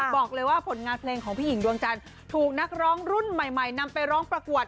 บอกเลยว่าผลงานเพลงของพี่หญิงดวงจันทร์ถูกนักร้องรุ่นใหม่นำไปร้องประกวด